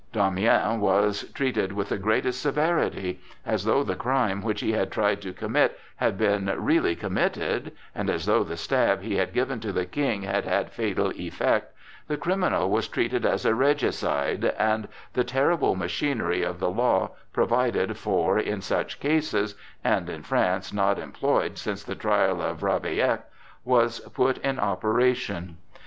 Damiens was treated with the greatest severity. As though the crime which he had tried to commit had been really committed, and as though the stab he had given to the King had had fatal effect, the criminal was treated as a regicide, and the terrible machinery of the law provided for in such cases, and in France not employed since the trial of Ravaillac, was put in operation.